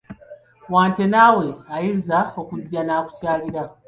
Wante naawe ayinza okujja n'akukyalira!